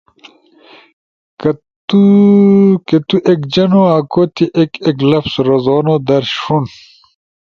کہ تو ایک جنو اکو تی ایک ایک لفظ رزونو در ݜون،